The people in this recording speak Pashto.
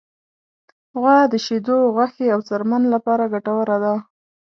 غوا د شیدو، غوښې، او څرمن لپاره ګټوره ده.